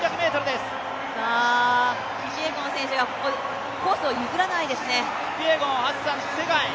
キピエゴン選手がコースを譲らないですね。